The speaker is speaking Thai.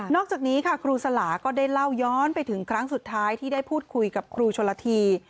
อกจากนี้ค่ะครูสลาก็ได้เล่าย้อนไปถึงครั้งสุดท้ายที่ได้พูดคุยกับครูชนละที